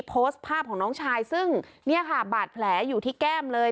โพสต์ภาพของน้องชายซึ่งเนี่ยค่ะบาดแผลอยู่ที่แก้มเลย